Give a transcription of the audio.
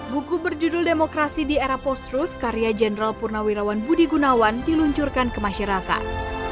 buku berjudul demokrasi di era post truth karya jenderal purnawirawan budi gunawan diluncurkan ke masyarakat